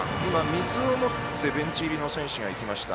水を持ってベンチ入りの選手が行きました。